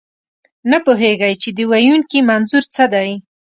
نه پوهېږئ، چې د ویونکي منظور څه دی.